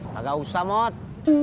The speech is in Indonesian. nggak usah mot